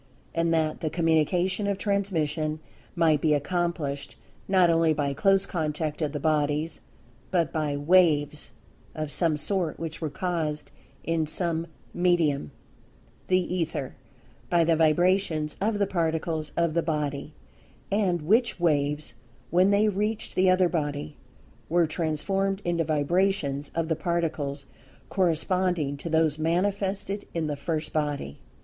And that the communication of transmission might be accomplished not only by close contact of the bodies, but by "waves" of some sort which were caused in some "medium" (the Ether) by the vibrations of the Particles of the body, and which "waves," when they reached the other body, were transformed into vibrations of the Particles corresponding to those manifested in the first body.